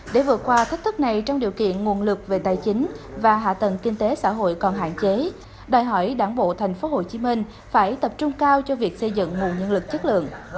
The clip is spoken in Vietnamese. để vượt qua thách thức này trong điều kiện nguồn lực về tài chính và hạ tầng kinh tế xã hội còn hạn chế đòi hỏi đảng bộ tp hcm phải tập trung cao cho việc xây dựng nguồn nhân lực chất lượng